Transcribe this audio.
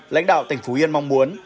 lãnh đạo tỉnh phú yên mong muốn